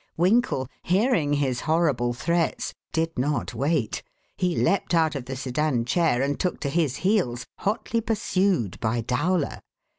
Winkle, hearing his horrible threats, did not wait. He leaped out of the sedan chair and took to his heels, hotly pursued by Dowler.